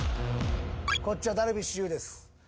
こっちはダルビッシュ有です。